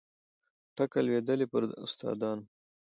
ټکه لوېدلې پر استادانو